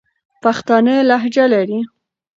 پښتانه لهجه لري.